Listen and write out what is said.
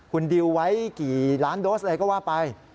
คุณดิวไว้กี่ล้านโดสอะไรก็ว่าไป